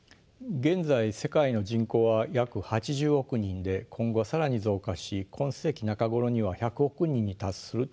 現在世界の人口は約８０億人で今後更に増加し今世紀中頃には１００億人に達すると予測されています。